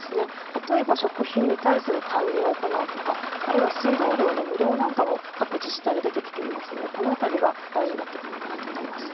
例えば食品に対する還元を行うとか、あるいは水道料の無料なんかも各自治体で出てきていますので、このあたりが大事になってくるのかなと思います。